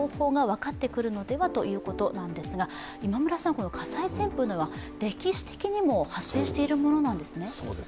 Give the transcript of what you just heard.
この火災旋風は歴史的にも発生しているものなんですね。